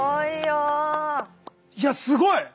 いやすごい。